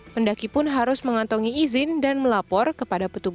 pendaki pun harus mengantongi izin dan melapor ke panggung